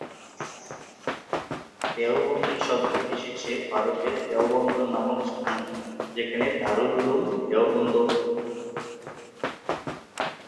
দেওবন্দি শব্দটি এসেছে ভারতের দেওবন্দ নামক স্থান থেকে যেখানে দারুল উলুম দেওবন্দ অবস্থিত।